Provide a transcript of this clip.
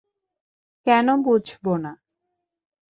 কেন বুঝব না?